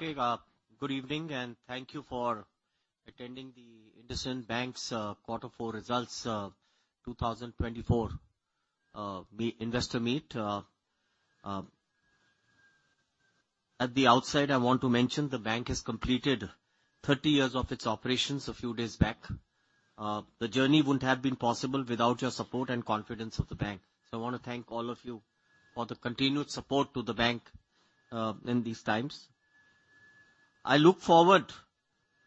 Okay, good evening and thank you for attending the IndusInd Bank's Q4 Results 2024 Investor Meet. At the outset, I want to mention the bank has completed 30 years of its operations a few days back. The journey wouldn't have been possible without your support and confidence in the bank. So I want to thank all of you for the continued support to the bank in these times. I look forward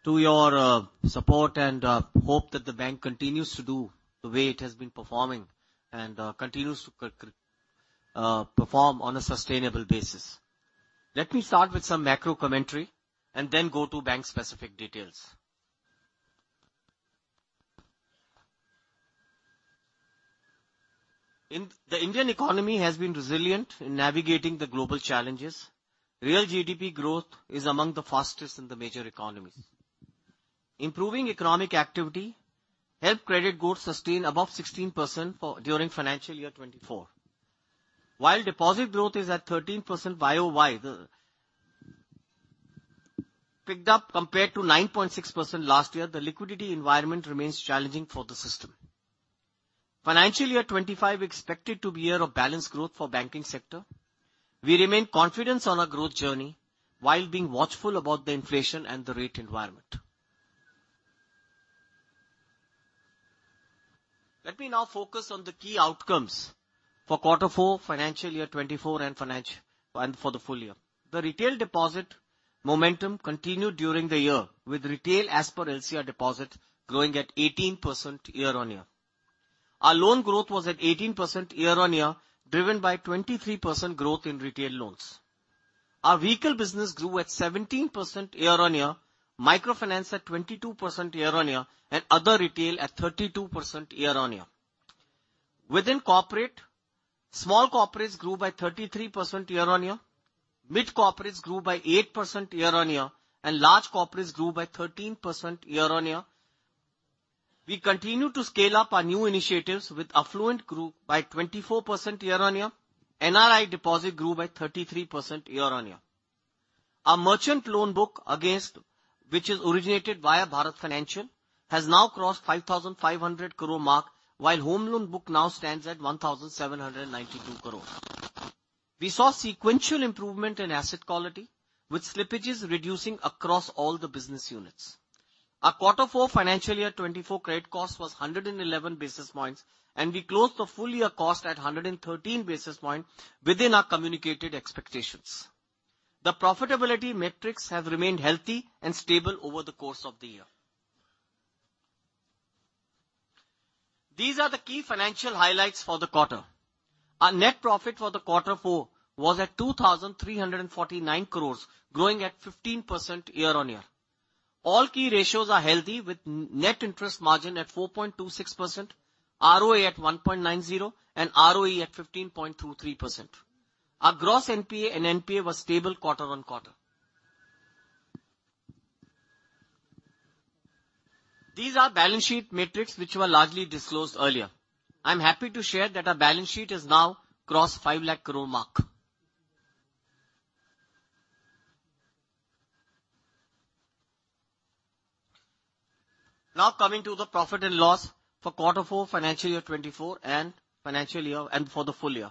to your support and hope that the bank continues to do the way it has been performing and continues to perform on a sustainable basis. Let me start with some macro commentary and then go to bank-specific details. In the Indian economy has been resilient in navigating the global challenges. Real GDP growth is among the fastest in the major economies. Improving economic activity helped credit growth sustain above 16% during financial year 2024. While deposit growth is at 13% YoY, it picked up compared to 9.6% last year, the liquidity environment remains challenging for the system. Financial year 2025 expected to be a year of balanced growth for banking sector. We remain confident on our growth journey while being watchful about the inflation and the rate environment. Let me now focus on the key outcomes for Q4 financial year 2024 and for the full year. The retail deposit momentum continued during the year with retail as per LCR deposit growing at 18% year-on-year. Our loan growth was at 18% year-on-year driven by 23% growth in retail loans. Our vehicle business grew at 17% year-on-year, microfinance at 22% year-on-year, and other retail at 32% year-on-year. Within corporate, small corporates grew by 33% year-on-year, mid-corporates grew by 8% year-on-year, and large corporates grew by 13% year-on-year. We continued to scale up our new initiatives with affluent grew by 24% year-on-year, NRI deposit grew by 33% year-on-year. Our merchant loan book against which is originated via Bharat Financial has now crossed 5,500 crore mark while home loan book now stands at 1,792 crore. We saw sequential improvement in asset quality with slippages reducing across all the business units. Our Q4 financial year 2024 credit cost was 111 basis points and we closed the full year cost at 113 basis points within our communicated expectations. The profitability metrics have remained healthy and stable over the course of the year. These are the key financial highlights for the quarter. Our net profit for the Q4 was at 2,349 crore growing at 15% year-on-year. All key ratios are healthy with net interest margin at 4.26%, ROA at 1.90%, and ROE at 15.23%. Our gross NPA and NPA was stable quarter-on-quarter. These are balance sheet metrics which were largely disclosed earlier. I'm happy to share that our balance sheet has now crossed 500,000 crore mark. Now coming to the profit and loss for Q4 financial year 2024 and financial year and for the full year.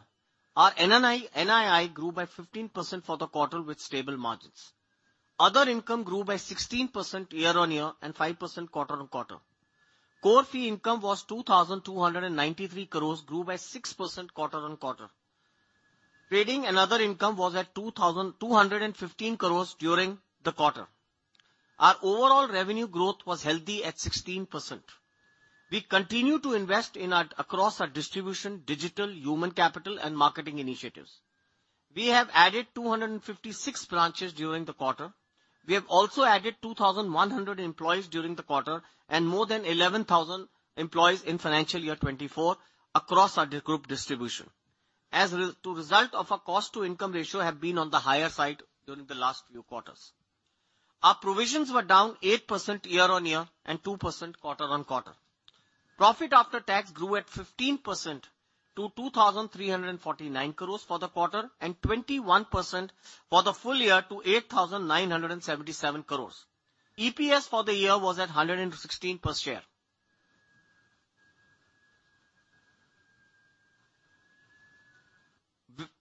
Our NII grew by 15% for the quarter with stable margins. Other income grew by 16% year-on-year and 5% quarter-on-quarter. Core fee income was 2,293 crore grew by 6% quarter-on-quarter. Trading and other income was at 2,215 crore during the quarter. Our overall revenue growth was healthy at 16%. We continue to invest across our distribution, digital, human capital, and marketing initiatives. We have added 256 branches during the quarter. We have also added 2,100 employees during the quarter and more than 11,000 employees in financial year 2024 across our distribution. As a result of our cost-to-income ratio have been on the higher side during the last few quarters. Our provisions were down 8% year-on-year and 2% quarter-on-quarter. Profit after tax grew at 15% to 2,349 crores for the quarter and 21% for the full year to 8,977 crores. EPS for the year was at 116 per share.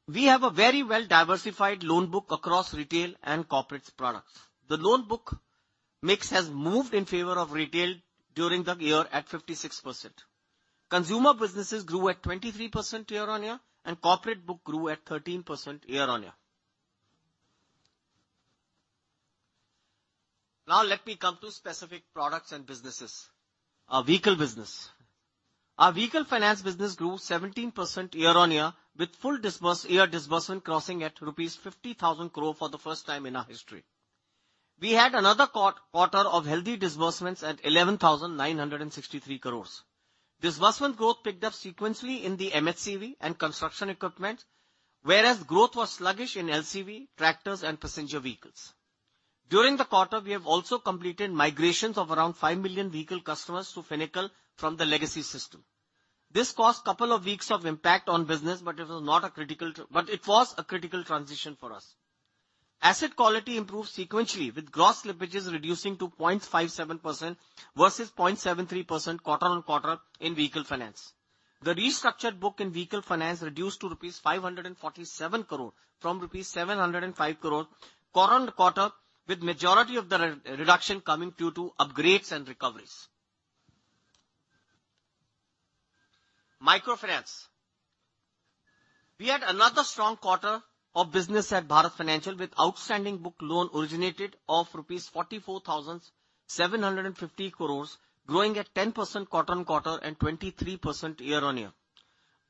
We have a very well-diversified loan book across retail and corporates products. The loan book mix has moved in favor of retail during the year at 56%. Consumer businesses grew at 23% year-on-year and corporate book grew at 13% year-on-year. Now let me come to specific products and businesses. Our vehicle business. Our vehicle finance business grew 17% year-on-year with full-year disbursement crossing INR 50,000 crore for the first time in our history. We had another quarter of healthy disbursements at 11,963 crore. Disbursement growth picked up sequentially in the MHCV and construction equipment, whereas growth was sluggish in LCV, tractors, and passenger vehicles. During the quarter we have also completed migrations of around five million vehicle customers to Phoenix from the legacy system. This caused a couple of weeks of impact on business but it was a critical transition for us. Asset quality improved sequentially with gross slippages reducing to 0.57% versus 0.73% quarter-on-quarter in vehicle finance. The restructured book in vehicle finance reduced to rupees 547 crore from rupees 705 crore quarter-on-quarter with majority of the reduction coming due to upgrades and recoveries. Microfinance. We had another strong quarter of business at Bharat Financial with outstanding book loan originated of INR 44,750 crores growing at 10% quarter-on-quarter and 23% year-on-year.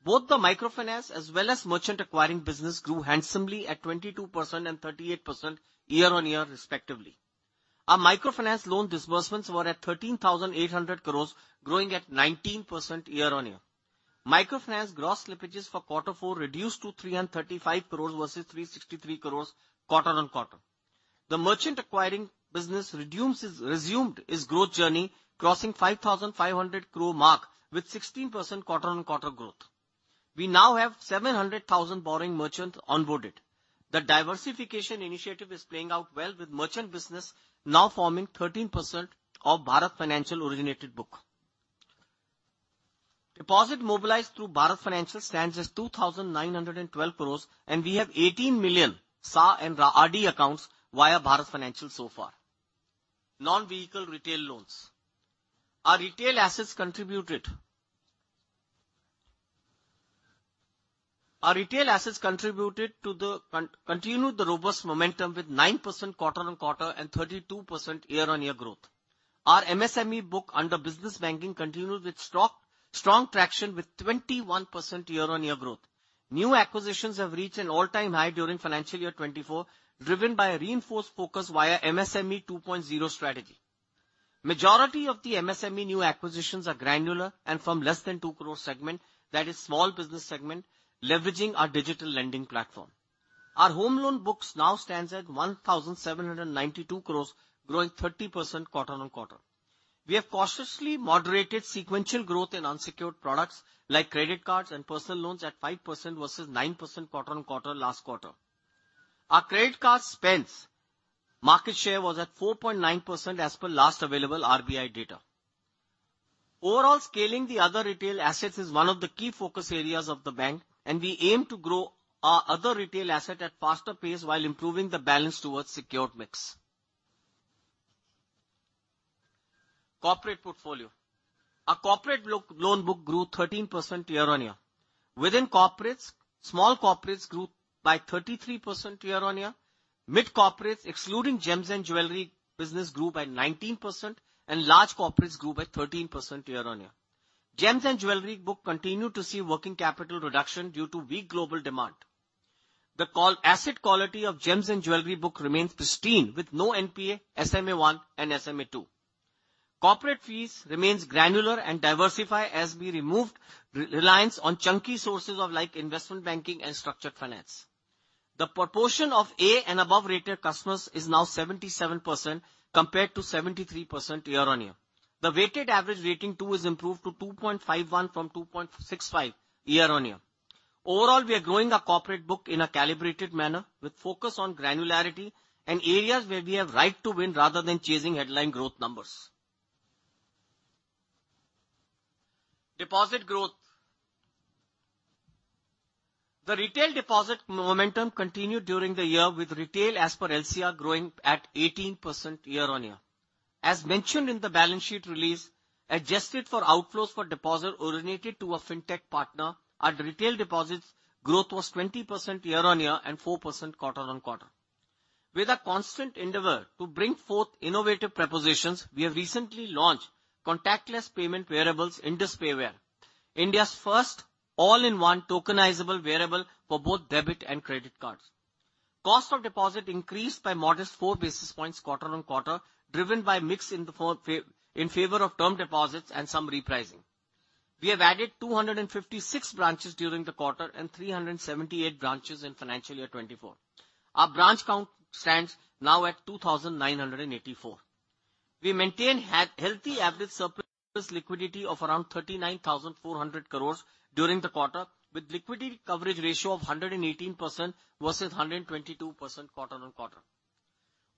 Both the microfinance as well as merchant acquiring business grew handsomely at 22% and 38% year-on-year respectively. Our microfinance loan disbursements were at 13,800 crores growing at 19% year-on-year. Microfinance gross slippages for Q4 reduced to 335 crores versus 363 crores quarter-on-quarter. The merchant acquiring business resumes its growth journey crossing 5,500 crore mark with 16% quarter-on-quarter growth. We now have 700,000 borrowing merchants onboarded. The diversification initiative is playing out well with merchant business now forming 13% of Bharat Financial originated book. Deposits mobilized through Bharat Financial stands at 2,912 crore and we have 18 million SaaS and RaaD accounts via Bharat Financial so far. Non-vehicle retail loans. Our retail assets contributed to the continued robust momentum with 9% quarter-on-quarter and 32% year-on-year growth. Our MSME book under business banking continued with strong traction with 21% year-on-year growth. New acquisitions have reached an all-time high during financial year 2024 driven by a reinforced focus via MSME 2.0 strategy. Majority of the MSME new acquisitions are granular and from less than two crore segment that is small business segment leveraging our digital lending platform. Our home loan books now stands at 1,792 crore growing 30% quarter-on-quarter. We have cautiously moderated sequential growth in unsecured products like credit cards and personal loans at 5% versus 9% quarter-on-quarter last quarter. Our credit card spends market share was at 4.9% as per last available RBI data. Overall scaling the other retail assets is one of the key focus areas of the bank and we aim to grow our other retail asset at faster pace while improving the balance towards secured mix. Corporate portfolio. Our corporate loan book grew 13% year-on-year. Within corporates, small corporates grew by 33% year-on-year. Mid-corporates excluding gems and jewelry business grew by 19% and large corporates grew by 13% year-on-year. Gems and jewelry book continued to see working capital reduction due to weak global demand. The overall asset quality of gems and jewelry book remains pristine with no NPA, SMA 1, and SMA 2. Corporate fees remain granular and diversified as we removed reliance on chunky sources of, like, investment banking and structured finance. The proportion of A and above rated customers is now 77% compared to 73% year-on-year. The weighted average rating is improved to 2.51 from 2.65 year-on-year. Overall we are growing our corporate book in a calibrated manner with focus on granularity and areas where we have right to win rather than chasing headline growth numbers. Deposit growth. The retail deposit momentum continued during the year with retail as per LCR growing at 18% year-on-year. As mentioned in the balance sheet release adjusted for outflows for deposits originated to a fintech partner our retail deposits growth was 20% year-on-year and 4% quarter-on-quarter. With a constant endeavor to bring forth innovative propositions we have recently launched contactless payment wearables Indus PayWear, India's first all-in-one tokenizable wearable for both debit and credit cards. Cost of deposit increased by modest four basis points quarter-on-quarter driven by mix in the form of in favor of term deposits and some repricing. We have added 256 branches during the quarter and 378 branches in financial year 2024. Our branch count stands now at 2,984. We maintain a healthy average surplus liquidity of around 39,400 crore during the quarter with liquidity coverage ratio of 118% versus 122% quarter-on-quarter.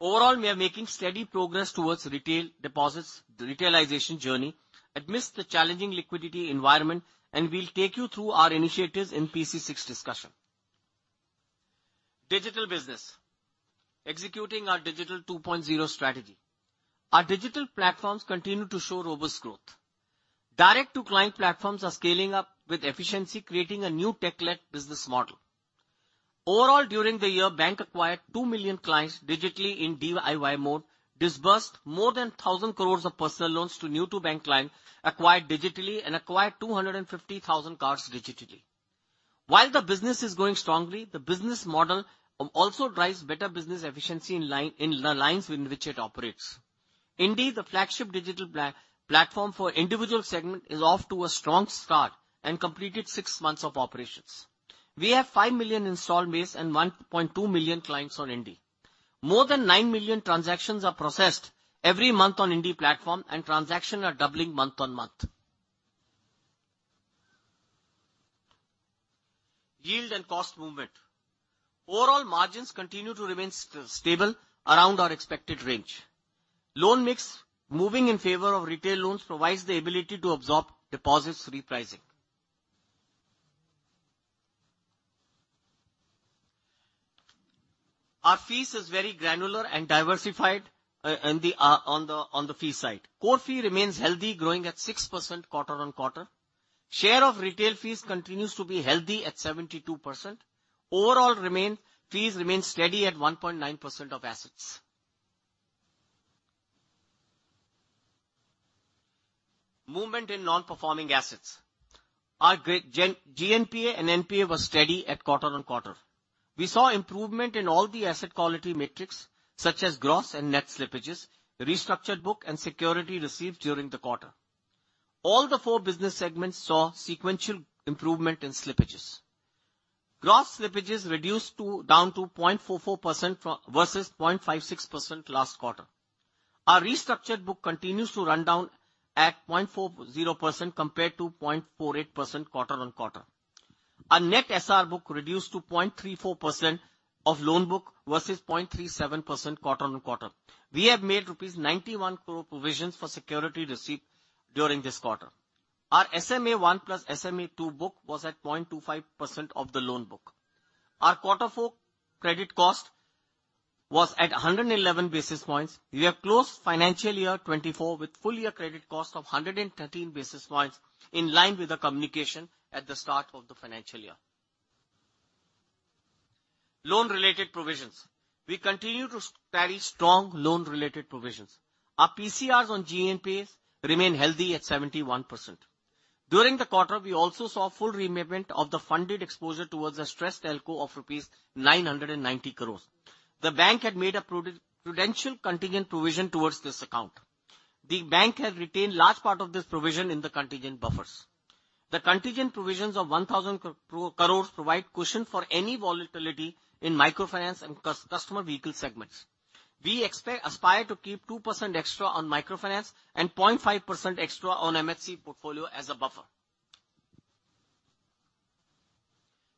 Overall we are making steady progress towards retail deposits retailization journey amidst the challenging liquidity environment and we'll take you through our initiatives in PC6 discussion. Digital business. Executing our digital 2.0 strategy. Our digital platforms continue to show robust growth. Direct-to-client platforms are scaling up with efficiency, creating a new tech-led business model. Overall, during the year, the bank acquired two million clients digitally in DIY mode, disbursed more than 1,000 crore of personal loans to new-to-bank clients acquired digitally, and acquired 250,000 cards digitally. While the business is going strongly, the business model also drives better business efficiency in line in the lines in which it operates. Indeed, the flagship digital platform for the individual segment is off to a strong start and completed six months of operations. We have five million installed base and 1.2 million clients on Indie. More than nine million transactions are processed every month on Indie platform, and transactions are doubling month on month. Yield and cost movement. Overall, margins continue to remain stable around our expected range. Loan mix moving in favor of retail loans provides the ability to absorb deposits repricing. Our fees is very granular and diversified and on the fee side. Core fee remains healthy growing at 6% quarter-on-quarter. Share of retail fees continues to be healthy at 72%. Overall fee remains steady at 1.9% of assets. Movement in non-performing assets. Our GNPA and NPA were steady quarter-on-quarter. We saw improvement in all the asset quality metrics such as gross and net slippages, restructured book, and security received during the quarter. All four business segments saw sequential improvement in slippages. Gross slippages reduced down to 0.44% versus 0.56% last quarter. Our restructured book continues to run down at 0.40% compared to 0.48% quarter-on-quarter. Our net SR book reduced to 0.34% of loan book versus 0.37% quarter-on-quarter. We have made rupees 91 crore provisions for security receipt during this quarter. Our SMA 1 plus SMA 2 book was at 0.25% of the loan book. Our Q4 credit cost was at 111 basis points. We have closed financial year 2024 with full year credit cost of 113 basis points in line with the communication at the start of the financial year. Loan-related provisions. We continue to carry strong loan-related provisions. Our PCRs on GNPAs remain healthy at 71%. During the quarter we also saw full removal of the funded exposure towards a stressed ELCO of rupees 990 crores. The bank had made a prudential contingent provision towards this account. The bank had retained large part of this provision in the contingent buffers. The contingent provisions of 1,000 crores provide cushion for any volatility in microfinance and customer vehicle segments. We aspire to keep 2% extra on microfinance and 0.5% extra on MHC portfolio as a buffer.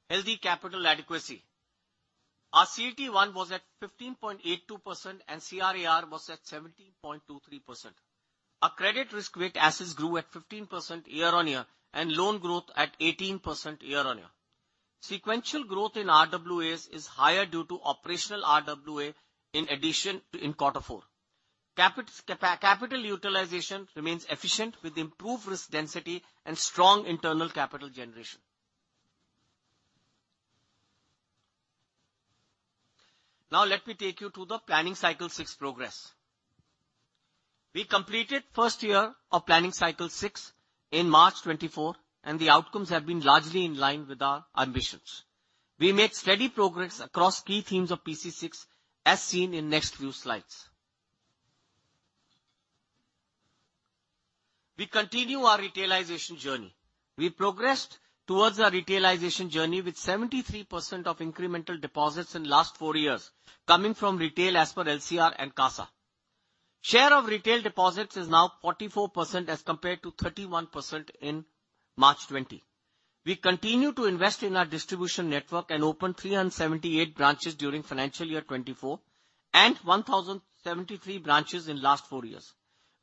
Healthy capital adequacy. Our CET1 was at 15.82% and CRAR was at 17.23%. Our credit risk weight assets grew at 15% year-on-year and loan growth at 18% year-on-year. Sequential growth in RWAs is higher due to operational RWA in addition to in Q4. Capital utilization remains efficient with improved risk density and strong internal capital generation. Now let me take you to the Planning Cycle 6 progress. We completed first year of Planning Cycle 6 in March 2024 and the outcomes have been largely in line with our ambitions. We made steady progress across key themes of PC6 as seen in next few slides. We continue our retailization journey. We progressed towards our retailization journey with 73% of incremental deposits in last four years coming from retail as per LCR and CASA. Share of retail deposits is now 44% as compared to 31% in March 2020. We continue to invest in our distribution network and opened 378 branches during financial year 2024 and 1,073 branches in last four years.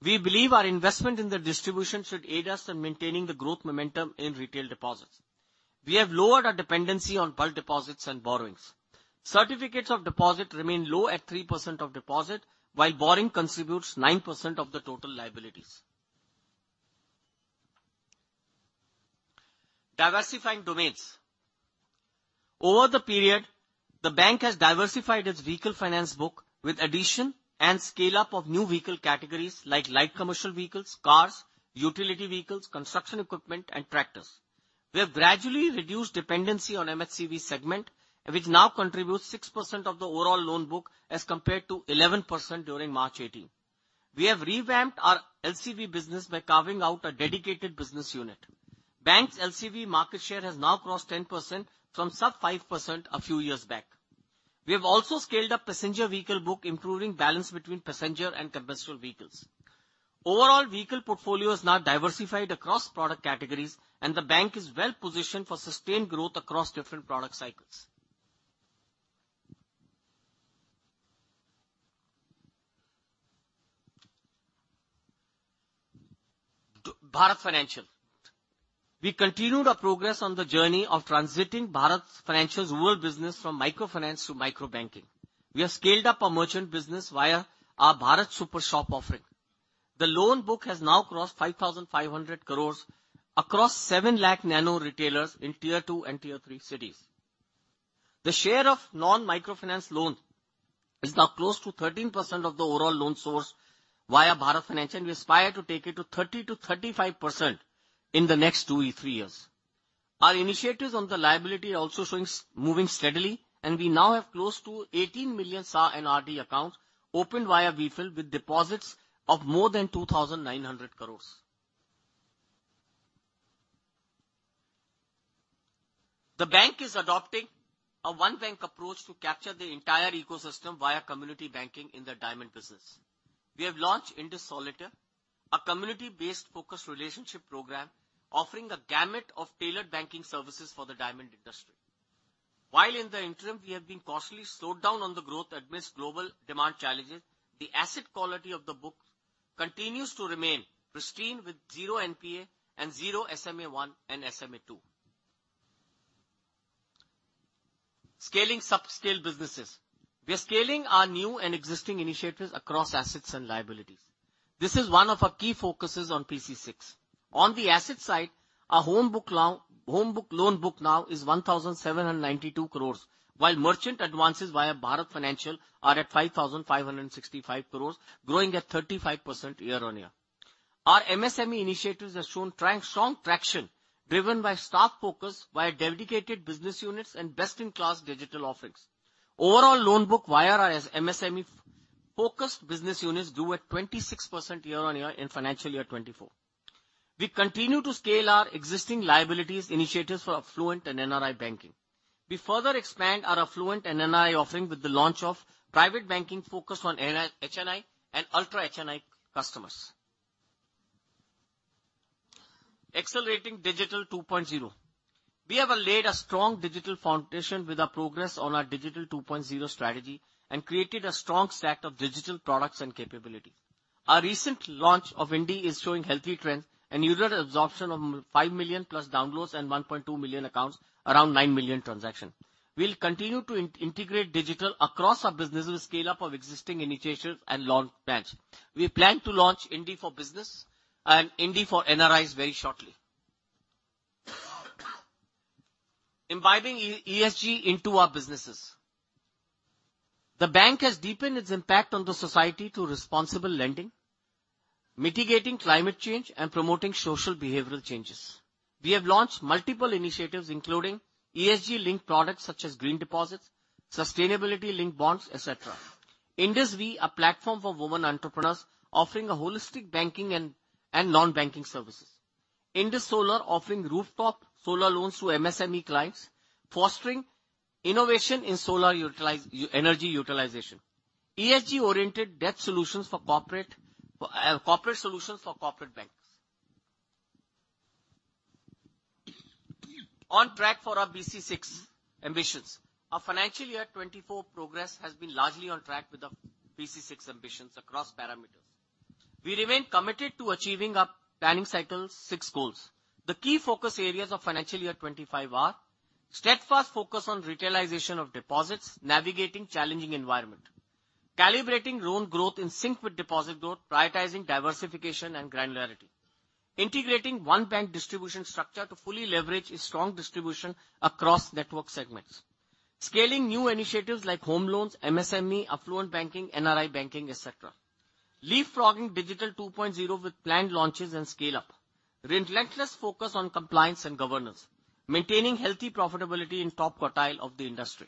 We believe our investment in the distribution should aid us in maintaining the growth momentum in retail deposits. We have lowered our dependency on bulk deposits and borrowings. Certificates of deposit remain low at 3% of deposit while borrowing contributes 9% of the total liabilities. Diversifying domains. Over the period the bank has diversified its vehicle finance book with addition and scale-up of new vehicle categories like light commercial vehicles, cars, utility vehicles, construction equipment, and tractors. We have gradually reduced dependency on MHCV segment which now contributes 6% of the overall loan book as compared to 11% during March 2018. We have revamped our LCV business by carving out a dedicated business unit. Banks' LCV market share has now crossed 10% from sub-5% a few years back. We have also scaled up passenger vehicle book improving balance between passenger and commercial vehicles. Overall vehicle portfolio is now diversified across product categories and the bank is well positioned for sustained growth across different product cycles. Our Bharat Financial. We continued our progress on the journey of transiting Bharat Financial's rural business from microfinance to microbanking. We have scaled up our merchant business via our Bharat Super Shop offering. The loan book has now crossed 5,500 crore across 7,000,000 nano retailers in Tier two and Tier three cities. The share of non-microfinance loan is now close to 13% of the overall loan source via Bharat Financial and we aspire to take it to 30% to 35% in the next two to three years. Our initiatives on the liability are also showing steady moving steadily and we now have close to 18 million SaaS and RaaD accounts opened via BFIL with deposits of more than 2,900 crore. The bank is adopting a one-bank approach to capture the entire ecosystem via community banking in the diamond business. We have launched Indus Solitaire, a community-based focused relationship program offering a gamut of tailored banking services for the diamond industry. While in the interim we have been cautiously slowed down on the growth amidst global demand challenges the asset quality of the book continues to remain pristine with zero NPA and zero SMA 1 and SMA 2. Scaling subscale businesses. We are scaling our new and existing initiatives across assets and liabilities. This is one of our key focuses on PC6. On the asset side our home loan book now is 1,792 crores while merchant advances via Bharat Financial are at 5,565 crores growing at 35% year-on-year. Our MSME initiatives have shown strong traction driven by staff focus via dedicated business units and best-in-class digital offerings. Overall loan book via our MSME focused business units grew at 26% year-on-year in financial year 2024. We continue to scale our existing liabilities initiatives for affluent and NRI banking. We further expand our affluent and NRI offering with the launch of private banking focused on HNI and ultra HNI customers. Accelerating Digital 2.0. We have laid a strong digital foundation with our progress on our Digital 2.0 strategy and created a strong stack of digital products and capabilities. Our recent launch of INDIE is showing healthy trends and user absorption of 5 million+ downloads and 1.2 million accounts around nine million transactions. We'll continue to integrate digital across our business with scale-up of existing initiatives and launch branch. We plan to launch INDIE for Business and INDIE for NRIs very shortly. Imbibing ESG into our businesses. The bank has deepened its impact on the society through responsible lending, mitigating climate change, and promoting social behavioral changes. We have launched multiple initiatives including ESG-linked products such as green deposits, sustainability-linked bonds, etc. IndusV, a platform for women entrepreneurs offering a holistic banking and non-banking services. IndusSolar, offering rooftop solar loans to MSME clients, fostering innovation in solar utilize energy utilization. ESG-oriented debt solutions for corporate for a corporate solutions for corporate banks. On track for our PC6 ambitions. Our financial year 2024 progress has been largely on track with our PC6 ambitions across parameters. We remain committed to achieving our planning cycle six goals. The key focus areas of financial year 2025 are: steadfast focus on retailization of deposits, navigating challenging environment, calibrating loan growth in sync with deposit growth, prioritizing diversification and granularity, integrating one-bank distribution structure to fully leverage a strong distribution across network segments, scaling new initiatives like home loans, MSME, affluent banking, NRI banking, etc., leapfrogging Digital 2.0 with planned launches and scale-up, relentless focus on compliance and governance, maintaining healthy profitability in top quartile of the industry.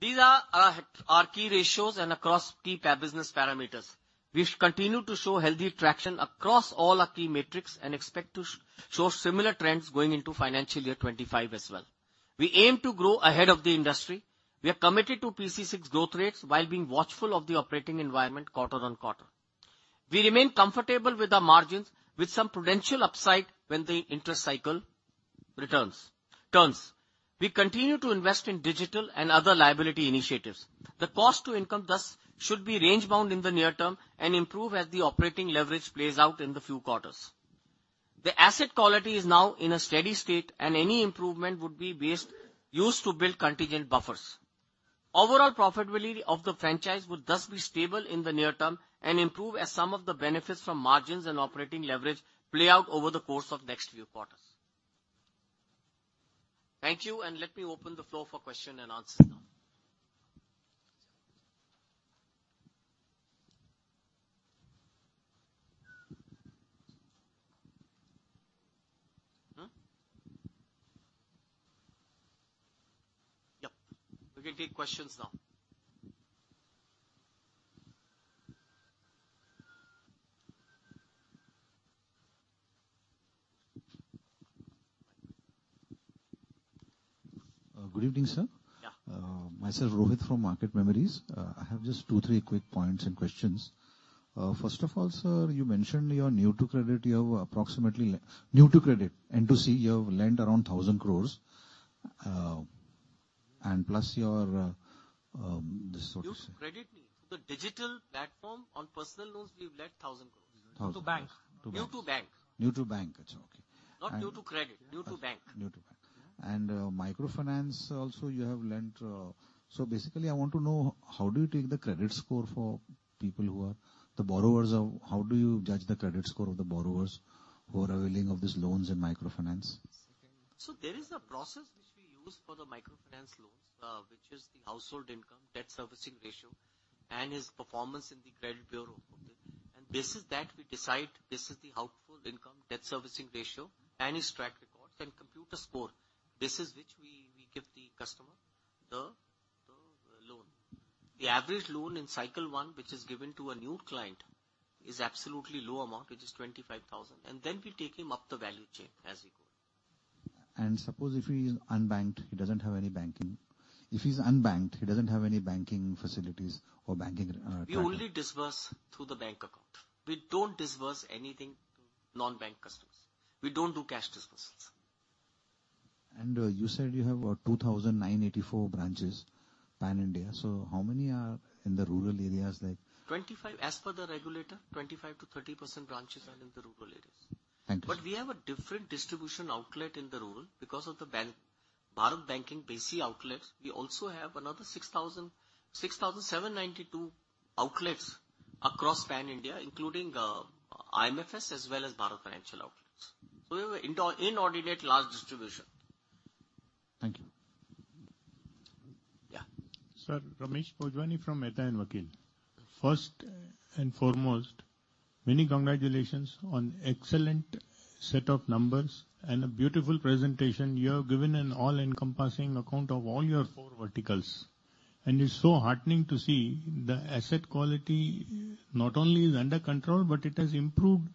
These are our key ratios and across key PA business parameters. We continue to show healthy traction across all our key metrics and expect to show similar trends going into financial year 2025 as well. We aim to grow ahead of the industry. We are committed to PC6 growth rates while being watchful of the operating environment quarter-on-quarter. We remain comfortable with our margins with some prudential upside when the interest cycle turns. We continue to invest in digital and other liability initiatives. The cost to income thus should be range-bound in the near term and improve as the operating leverage plays out in the few quarters. The asset quality is now in a steady state and any improvement would be used to build contingent buffers. Overall profitability of the franchise would thus be stable in the near term and improve as some of the benefits from margins and operating leverage play out over the course of next few quarters. Thank you and let me open the floor for question and answers now. Yup. We can take questions now. Good evening, sir. Yeah. Myself, Rohit from Market Memories. I have just two, three quick points and questions. First of all, sir, you mentioned you're new to credit. You have approximately lent new to credit. N2C, you have lent around 1,000 crore. And plus your, this sort of s. New to credit? No. To the digital platform on personal loans, we've lent 1,000 crore. 1,000. New to bank. To bank. New to bank. New to bank. Okay. Not new to credit. New to bank. New to bank. And microfinance also you have lent, so basically I want to know how do you take the credit score for people who are the borrowers of how do you judge the credit score of the borrowers who are availing of these loans in microfinance? So there is a process which we use for the microfinance loans, which is the household income debt servicing ratio and his performance in the credit bureau. Okay? And based is that we decide this is the household income debt servicing ratio and his track records and computer score. This is which we give the customer the loan. The average loan in cycle one which is given to a new client is absolutely low amount which is 25,000 and then we take him up the value chain as we go. And suppose if he is unbanked, he doesn't have any banking facilities or banking track. We only disburse through the bank account. We don't disburse anything to non-bank customers. We don't do cash disbursals. You said you have 2,984 branches pan-India. So how many are in the rural areas like? 25 as per the regulator, 25% to 30% branches are in the rural areas. Thank you. But we have a different distribution outlet in the rural because of the bank Bharat Banking BC outlets. We also have another 6,000 6,792 outlets across pan-India including IMFS as well as Bharat Financial outlets. So we have an inordinately large distribution. Thank you. Yeah. Sir, Ramesh Bhojwani from Mehta and Vakil. First and foremost, many congratulations on excellent set of numbers and a beautiful presentation. You have given an all-encompassing account of all your four verticals. It's so heartening to see the asset quality not only is under control but it has improved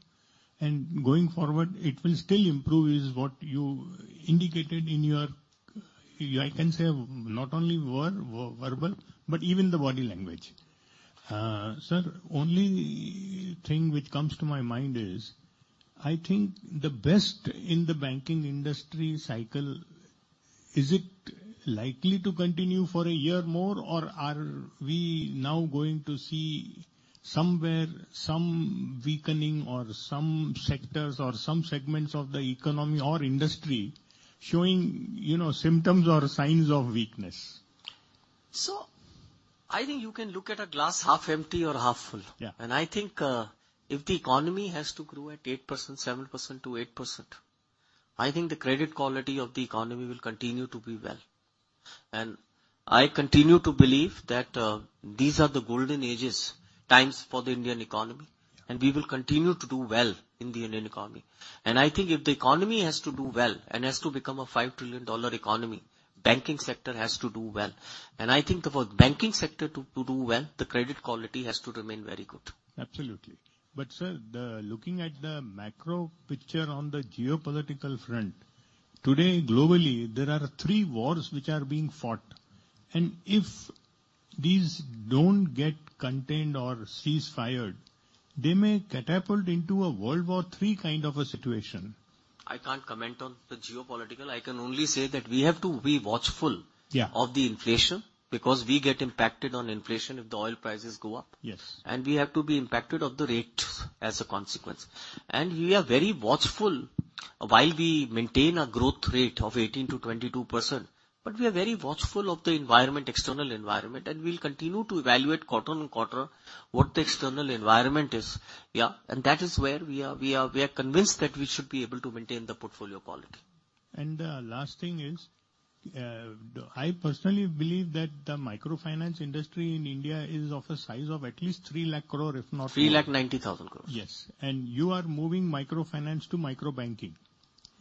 and going forward it will still improve is what you indicated in your, I can say not only verbal but even the body language. Sir, only thing which comes to my mind is I think the best in the banking industry cycle is it likely to continue for a year more or are we now going to see somewhere some weakening or some sectors or some segments of the economy or industry showing, you know, symptoms or signs of weakness? I think you can look at a glass half empty or half full. Yeah. I think, if the economy has to grow at 8%, 7% to 8%, I think the credit quality of the economy will continue to be well. I continue to believe that, these are the golden ages times for the Indian economy. Yeah. We will continue to do well in the Indian economy. I think if the economy has to do well and has to become a $5 trillion economy, banking sector has to do well. I think for banking sector to do well, the credit quality has to remain very good. Absolutely. But, sir, the looking at the macro picture on the geopolitical front, today globally there are three wars which are being fought. And if these don't get contained or cease-fire, they may catapult into a World War III kind of a situation. I can't comment on the geopolitical. I can only say that we have to be watchful. Yeah. Of the inflation because we get impacted on inflation if the oil prices go up. Yes. We have to be impacted by the rate as a consequence. We are very watchful while we maintain a growth rate of 18% to 22% but we are very watchful of the external environment and we'll continue to evaluate quarter-on-quarter what the external environment is. Yeah. That is where we are convinced that we should be able to maintain the portfolio quality. Last thing is, I personally believe that the microfinance industry in India is of a size of at least 300,000 crore if not more. 3,90,000 crore. Yes. And you are moving microfinance to microbanking.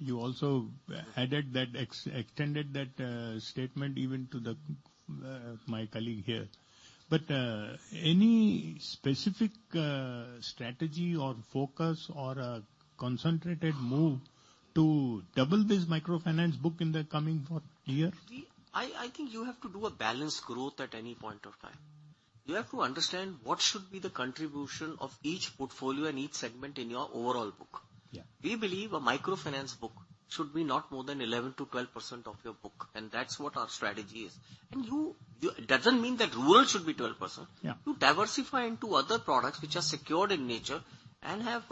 You also added that extended that statement even to my colleague here. But any specific strategy or focus or a concentrated move to double this microfinance book in the coming four year? I, I think you have to do a balanced growth at any point of time. You have to understand what should be the contribution of each portfolio and each segment in your overall book. Yeah. We believe a microfinance book should be not more than 11% to 12% of your book and that's what our strategy is. And you, you doesn't mean that rural should be 12%. Yeah. You diversify into other products which are secured in nature and have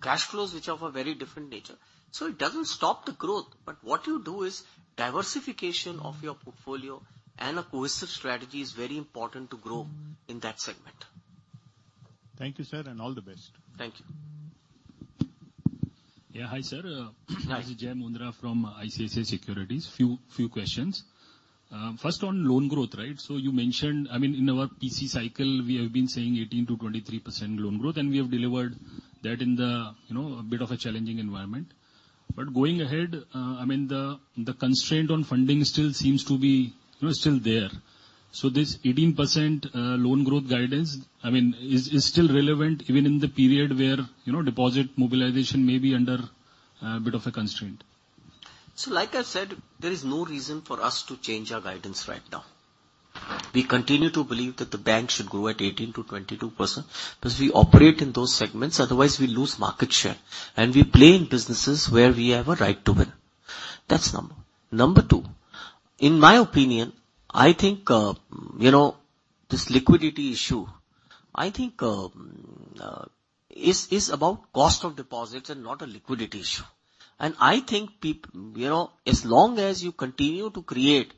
cash flows which are of a very different nature. So it doesn't stop the growth but what you do is diversification of your portfolio and a cohesive strategy is very important to grow in that segment. Thank you, sir, and all the best. Thank you. Yeah. Hi, sir. Hi. This is Jai Mundra from ICICI Securities. A few questions. First on loan growth, right? So you mentioned I mean, in our PC cycle we have been saying 18% to 23% loan growth and we have delivered that in the, you know, a bit of a challenging environment. But going ahead, I mean, the constraint on funding still seems to be, you know, still there. So this 18% loan growth guidance, I mean, is still relevant even in the period where, you know, deposit mobilization may be under a bit of a constraint? So like I said, there is no reason for us to change our guidance right now. We continue to believe that the bank should grow at 18% to 22% because we operate in those segments otherwise we lose market share and we play in businesses where we have a right to win. That's number one. Number two, in my opinion, I think, you know, this liquidity issue, I think, is about cost of deposits and not a liquidity issue. And I think people, you know, as long as you continue to create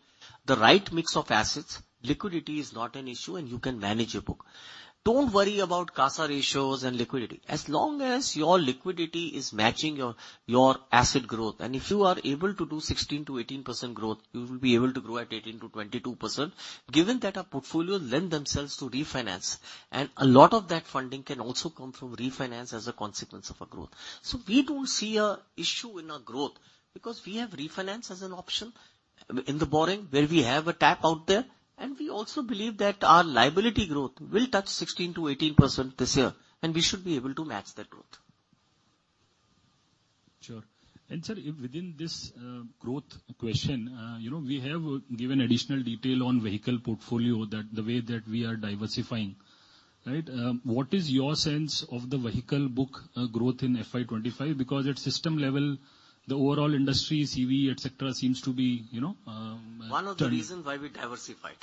the right mix of assets, liquidity is not an issue and you can manage your book. Don't worry about CASA ratios and liquidity. As long as your liquidity is matching your asset growth and if you are able to do 16% to 18% growth, you will be able to grow at 18% to 22% given that our portfolio lend themselves to refinance and a lot of that funding can also come from refinance as a consequence of our growth. So we don't see an issue in our growth because we have refinance as an option in the borrowing where we have a tap out there and we also believe that our liability growth will touch 16% to 18% this year and we should be able to match that growth. Sure. And, sir, I within this, growth question, you know, we have given additional detail on vehicle portfolio that the way that we are diversifying, right? What is your sense of the vehicle book, growth in FY25? Because at system level, the overall industry, CV, etc., seems to be, you know, One of the reasons why we diversified.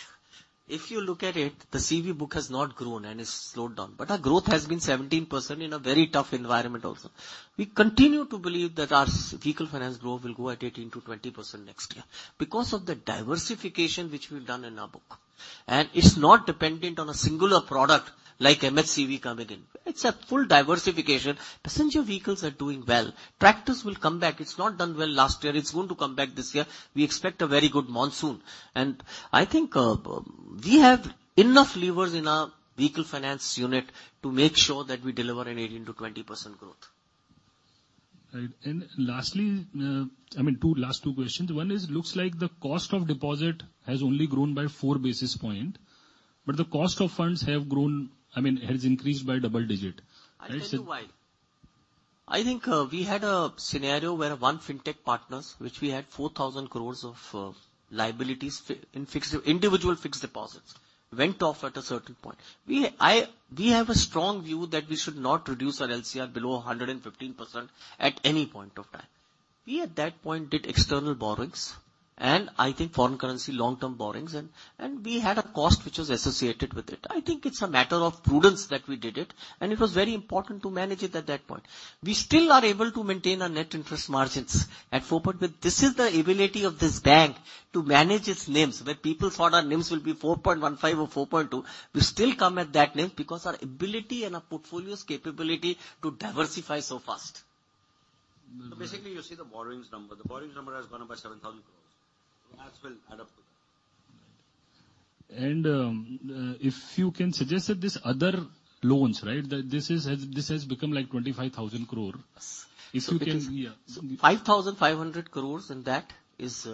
If you look at it, the CV book has not grown and it's slowed down but our growth has been 17% in a very tough environment also. We continue to believe that our vehicle finance growth will go at 18% to 20% next year because of the diversification which we've done in our book. And it's not dependent on a singular product like MHCV coming in. It's a full diversification. Passenger vehicles are doing well. Tractors will come back. It's not done well last year. It's going to come back this year. We expect a very good monsoon. And I think, we have enough levers in our vehicle finance unit to make sure that we deliver an 18% to20% growth. Right. And lastly, I mean, the last two questions. One is, it looks like the cost of deposit has only grown by four basis points but the cost of funds have grown, I mean, has increased by double digits. Right? I think why? I think, we had a scenario where one fintech partner which we had 4,000 crore of liabilities in fixed individual fixed deposits went off at a certain point. We have a strong view that we should not reduce our LCR below 115% at any point of time. We at that point did external borrowings and I think foreign currency long-term borrowings and we had a cost which was associated with it. I think it's a matter of prudence that we did it and it was very important to manage it at that point. We still are able to maintain our net interest margins at 4%. But this is the ability of this bank to manage its NIMS where people thought our NIMS will be 4.15% or 4.2%. We still come at that NIMS because our ability and our portfolio's capability to diversify so fast. Basically, you see the borrowings number. The borrowings number has gone up by 7,000 crores. So that will add up to that. Right. And, if you can suggest that this other loans, right, that this has become like 25,000 crore. Yes. If you can. So 5,500 crore and that is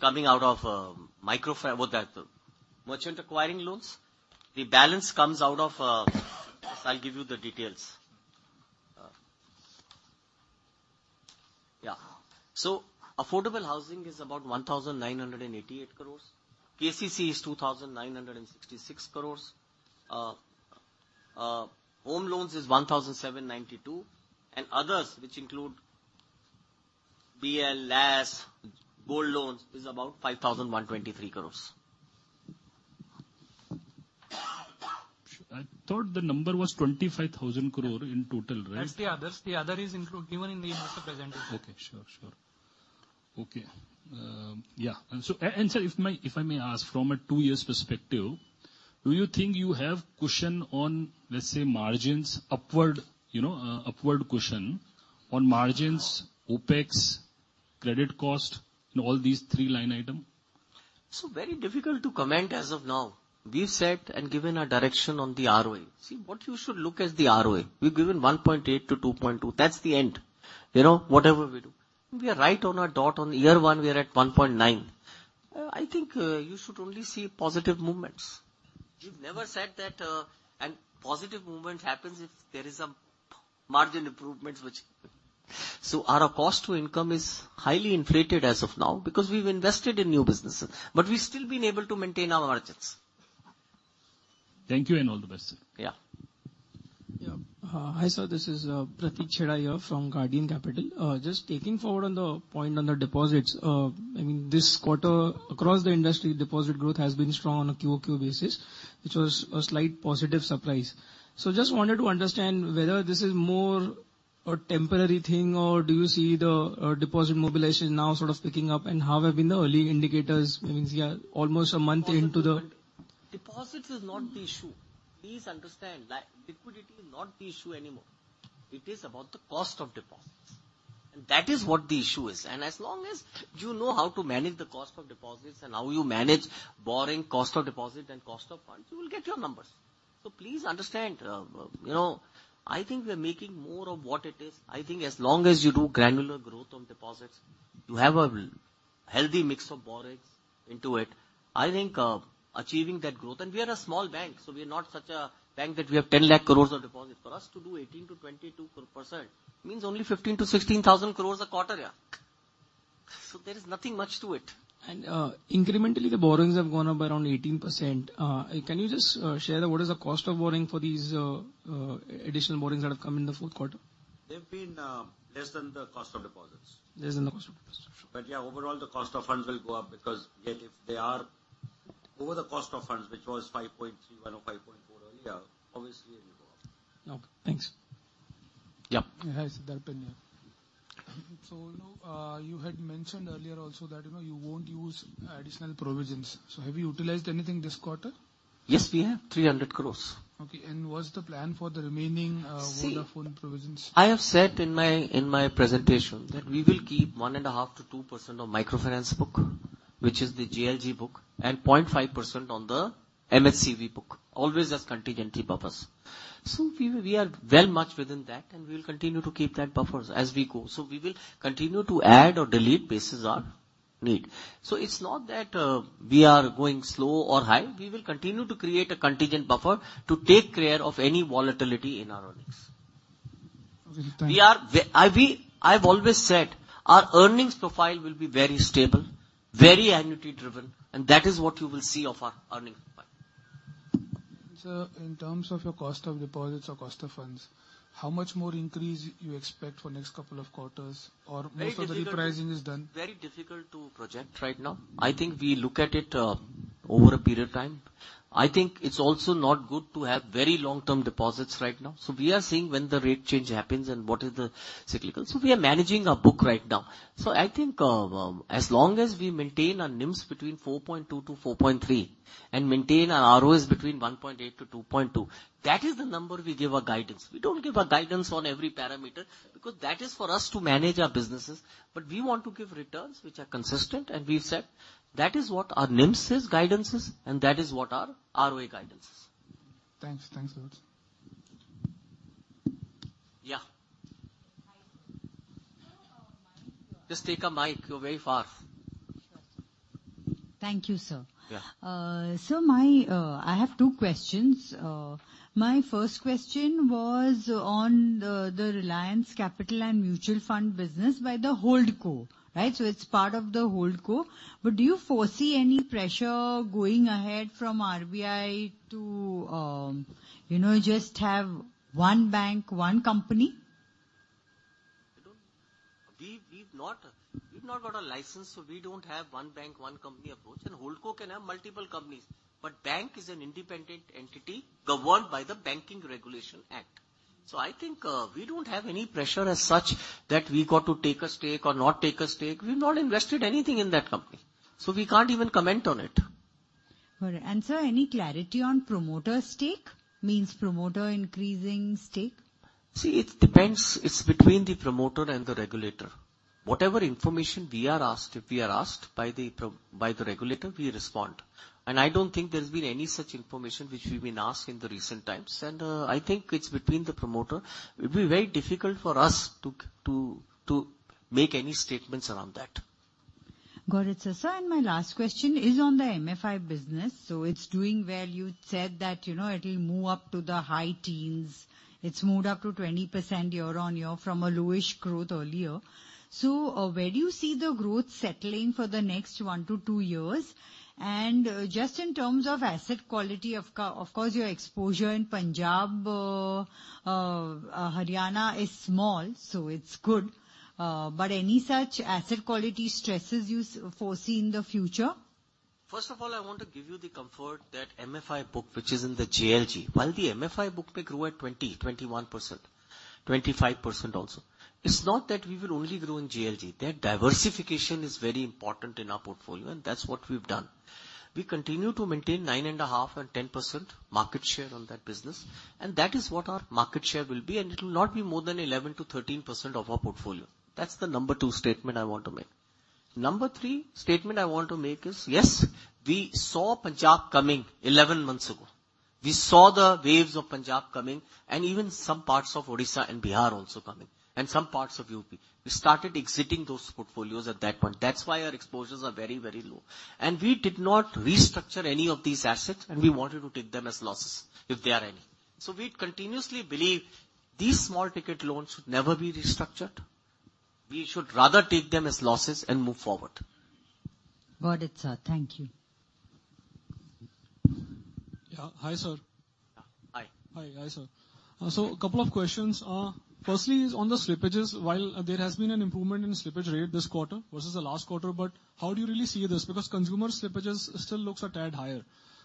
coming out of microfinance, merchant acquiring loans. The balance comes out of, I'll give you the details. Yeah. So affordable housing is about 1,988 crore. KCC is 2,966 crore. Home loans is 1,792 crore and others which include BL, LAS, gold loans is about 5,123 crore. I thought the number was 25,000 crore in total, right? That's the others. The other is included, given in most of the presentation. Okay. Sure. Sure. Okay. Yeah. And so, sir, if I may ask from a two-year perspective, do you think you have cushion on, let's say, margins upward, you know, upward cushion on margins, OPEX, credit cost, and all these three line item? So very difficult to comment as of now. We've set and given a direction on the ROA. See, what you should look at is the ROA. We've given 1.8 to 2.2. That's the end, you know, whatever we do. We are right on our dot. On year one, we are at 1.9. I think, you should only see positive movements. You've never said that, and positive movement happens if there is a margin improvement which. So our cost to income is highly inflated as of now because we've invested in new businesses but we've still been able to maintain our margins. Thank you and all the best, sir. Yeah. Yeah. Hi, sir. This is Pratik Chheda from Guardian Capital. Just taking forward on the point on the deposits, I mean, this quarter across the industry, deposit growth has been strong on a QOQ basis which was a slight positive surprise. So just wanted to understand whether this is more a temporary thing or do you see the deposit mobilization now sort of picking up and how have been the early indicators? I mean, see, you are almost a month into the. Deposits is not the issue. Please understand. Liquidity is not the issue anymore. It is about the cost of deposits. And that is what the issue is. And as long as you know how to manage the cost of deposits and how you manage borrowing, cost of deposit, and cost of funds, you will get your numbers. So please understand, you know, I think we are making more of what it is. I think as long as you do granular growth on deposits, you have a healthy mix of borrowings into it, I think, achieving that growth. And we are a small bank so we are not such a bank that we have 10,00,000 crore of deposits. For us to do 18% to 22% means only 15,000 to 6,000 crore a quarter, yeah. So there is nothing much to it. Incrementally, the borrowings have gone up around 18%. Can you just share what is the cost of borrowing for these additional borrowings that have come in the Q4? They've been less than the cost of deposits. Less than the cost of deposits. Sure. But yeah, overall, the cost of funds will go up because yet if they are over the cost of funds which was 5.31 or 5.4 earlier, obviously, it will go up. Okay. Thanks. Yep. Hi, Darpin Shah. So, you know, you had mentioned earlier also that, you know, you won't use additional provisions. So have you utilized anything this quarter? Yes, we have. 300 crore. Okay. And was the plan for the remaining Vodafone provisions? See, I have said in my presentation that we will keep 1.5% to 2% of microfinance book which is the JLG book and 0.5% on the MHCV book always as contingency buffers. So we are well much within that and we will continue to keep that buffers as we go. So we will continue to add or delete basis on need. So it's not that, we are going slow or high. We will continue to create a contingent buffer to take care of any volatility in our earnings. Okay. Thank you. We've always said our earnings profile will be very stable, very annuity-driven, and that is what you will see of our earnings profile. Sir, in terms of your cost of deposits or cost of funds, how much more increase you expect for next couple of quarters or more so the repricing is done? Very difficult to project right now. I think we look at it, over a period of time. I think it's also not good to have very long-term deposits right now. So we are seeing when the rate change happens and what is the cyclical. So we are managing our book right now. So I think, as long as we maintain our NIMS between 4.2% to 4.3% and maintain our ROAs between 1.8% to 2.2%, that is the number we give our guidance. We don't give our guidance on every parameter because that is for us to manage our businesses but we want to give returns which are consistent and we've said that is what our NIMS is, guidance is, and that is what our ROA guidance is. Thanks. Thanks, sir. Yeah. Hi, sir. So, my. Just take a mic. You're very far. Sure. Thank you, sir. Yeah. So, my, I have two questions. My first question was on the Reliance Capital and mutual fund business by the Hold Co, right? It's part of the Hold Co. But do you foresee any pressure going ahead from RBI to, you know, just have one bank, one company? We don't, we've not got a license so we don't have one bank, one company approach. Hold Co can have multiple companies but bank is an independent entity governed by the Banking Regulation Act. So I think, we don't have any pressure as such that we got to take a stake or not take a stake. We've not invested anything in that company so we can't even comment on it. All right. And, sir, any clarity on promoter stake? Means promoter increasing stake? See, it depends. It's between the promoter and the regulator. Whatever information we are asked, if we are asked by the promoter by the regulator, we respond. I don't think there's been any such information which we've been asked in the recent times. I think it's between the promoter. It'd be very difficult for us to make any statements around that. Got it, sir. Sir, and my last question is on the MFI business. So it's doing well. You said that, you know, it'll move up to the high teens. It's moved up to 20% year-on-year from a lowish growth earlier. So, where do you see the growth settling for the next one to two years? And, just in terms of asset quality of MFI, of course, your exposure in Punjab, Haryana is small so it's good. But any such asset quality stresses you foresee in the future? First of all, I want to give you the comfort that MFI book which is in the JLG while the MFI book may grow at 20%, 21%, 25% also, it's not that we will only grow in JLG. That diversification is very important in our portfolio and that's what we've done. We continue to maintain 9.5% and 10% market share on that business and that is what our market share will be and it'll not be more than 11% to 13% of our portfolio. That's the number two statement I want to make. Number three statement I want to make is, yes, we saw Punjab coming 11 months ago. We saw the waves of Punjab coming and even some parts of Odisha and Bihar also coming and some parts of UP. We started exiting those portfolios at that point. That's why our exposures are very, very low. We did not restructure any of these assets and we wanted to take them as losses if there are any. We'd continuously believe these small-ticket loans should never be restructured. We should rather take them as losses and move forward. Got it, sir. Thank you. Yeah. Hi, sir. Yeah. Hi. Hi. Hi, sir. So a couple of questions. Firstly, it's on the slippages. While there has been an improvement in slippage rate this quarter versus the last quarter but how do you really see this? Because consumer slippages still looks a tad higher.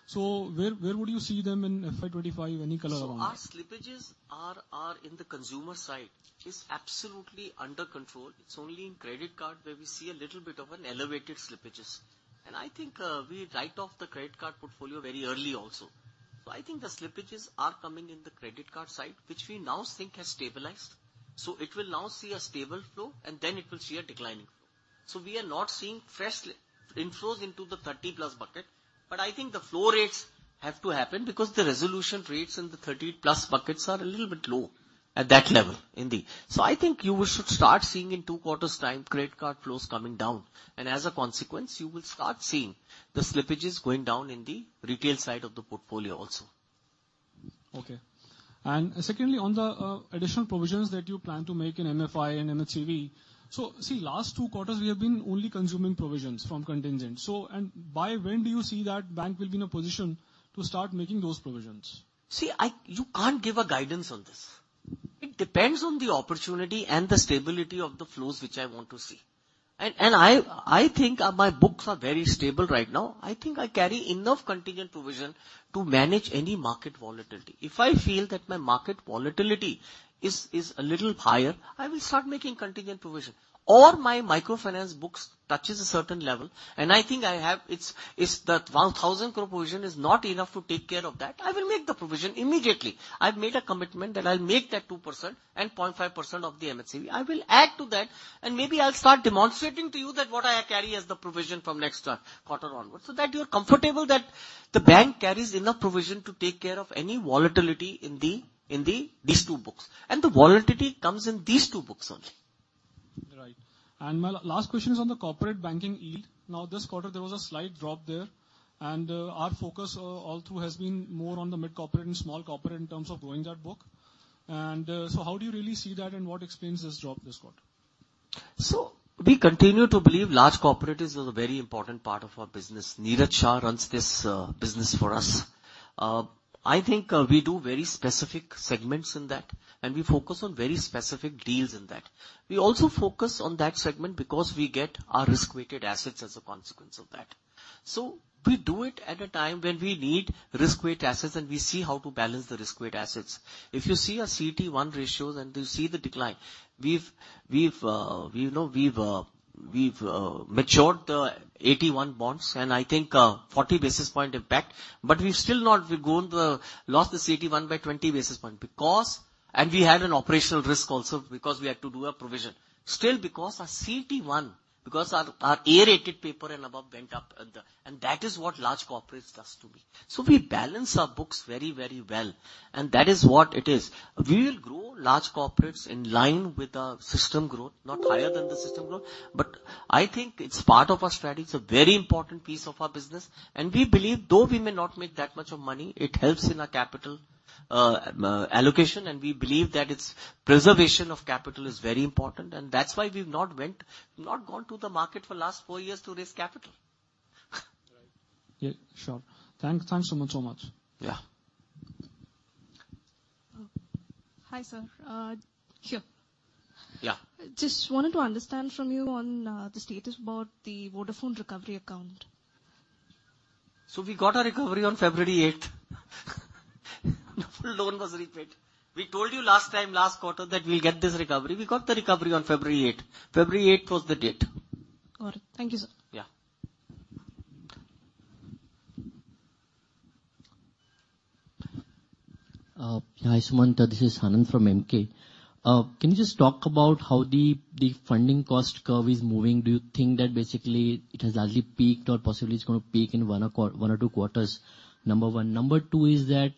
So where, where would you see them in FY25? Any color around that? So our slippages are in the consumer side. It's absolutely under control. It's only in credit card where we see a little bit of an elevated slippages. And I think, we write off the credit card portfolio very early also. So I think the slippages are coming in the credit card side which we now think has stabilized. So it will now see a stable flow and then it will see a declining flow. So we are not seeing fresh NPL inflows into the 30+ bucket but I think the outflows have to happen because the resolution rates in the 30+ buckets are a little bit low at that level in this. So I think you should start seeing in two quarters' time credit card flows coming down. As a consequence, you will start seeing the slippages going down in the retail side of the portfolio also. Okay. And, secondly, on the additional provisions that you plan to make in MFI and MHCV, so see, last two quarters, we have been only consuming provisions from contingent. So and by when do you see that bank will be in a position to start making those provisions? See, if you can't give guidance on this. It depends on the opportunity and the stability of the flows which I want to see. And I think my books are very stable right now. I think I carry enough contingent provision to manage any market volatility. If I feel that my market volatility is a little higher, I will start making contingent provision. Or my microfinance books touch a certain level and I think that it's that 1,000 crore provision is not enough to take care of that, I will make the provision immediately. I've made a commitment that I'll make that 2% and 0.5% of the MHCV. I will add to that, and maybe I'll start demonstrating to you that what I carry as the provision from next quarter onward, so that you're comfortable that the bank carries enough provision to take care of any volatility in the these two books. The volatility comes in these two books only. Right. And my last question is on the corporate banking yield. Now, this quarter, there was a slight drop there and, our focus, all through has been more on the mid-corporate and small-corporate in terms of growing that book. And, so how do you really see that and what explains this drop this quarter? So we continue to believe large corporates are a very important part of our business. Neeraj Shah runs this business for us. I think, we do very specific segments in that and we focus on very specific deals in that. We also focus on that segment because we get our risk-weighted assets as a consequence of that. So we do it at a time when we need risk-weighted assets and we see how to balance the risk-weighted assets. If you see a CET1 ratio and you see the decline, we've, you know, we've matured the AT1 bonds and I think, 40 basis points impact but we've still not, we've lost the CET1 by 20 basis points because and we had an operational risk also because we had to do a provision. Still, because our CET1, our A-rated paper and above went up, and that is what large corporates does to me. So we balance our books very, very well and that is what it is. We will grow large corporates in line with our system growth, not higher than the system growth but I think it's part of our strategy, it's a very important piece of our business. And we believe though we may not make that much of money, it helps in our capital, m allocation and we believe that its preservation of capital is very important and that's why we've not gone to the market for the last four years to raise capital. Right. Yeah. Sure. Thanks. Thanks so much, so much. Yeah. Hi, sir. Here. Yeah. Just wanted to understand from you on the status about the Vodafone recovery account. So we got our recovery on 8 February. The full loan was repaid. We told you last time, last quarter, that we'll get this recovery. We got the recovery on 8 February. 8 February was the date. Got it. Thank you, sir. Yeah. Hi, Sumant. This is Anand from Emkay. Can you just talk about how the funding cost curve is moving? Do you think that basically it has largely peaked or possibly it's gonna peak in one or quarter one or two quarters? Number one. Number two is that,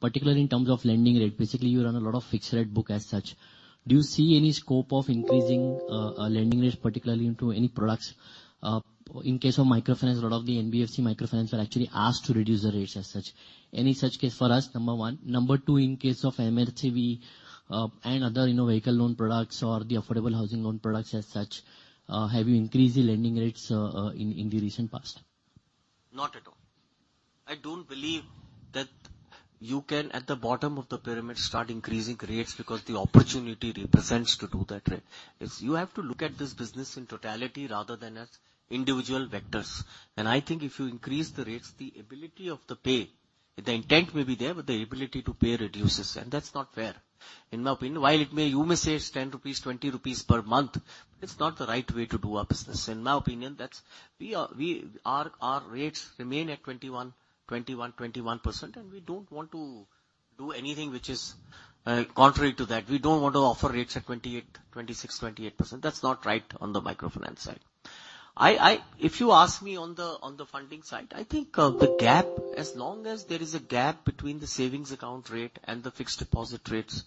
particularly in terms of lending rate, basically, you run a lot of fixed-rate book as such. Do you see any scope of increasing lending rates, particularly into any products? In case of microfinance, a lot of the NBFC microfinance were actually asked to reduce the rates as such. Any such case for us, number one? Number two, in case of MHCV, and other, you know, vehicle loan products or the affordable housing loan products as such, have you increased the lending rates in the recent past? Not at all. I don't believe that you can, at the bottom of the pyramid, start increasing rates because the opportunity represents to do that rate. It's you have to look at this business in totality rather than as individual vectors. And I think if you increase the rates, the ability of the pay the intent may be there but the ability to pay reduces and that's not fair. In my opinion, while it may you may say it's 10 rupees, 20 rupees per month, it's not the right way to do our business. In my opinion, that's our rates remain at 21, 21, 21% and we don't want to do anything which is, contrary to that. We don't want to offer rates at 28, 26, 28%. That's not right on the microfinance side. If you ask me on the funding side, I think the gap, as long as there is a gap between the savings account rate and the fixed deposit rates,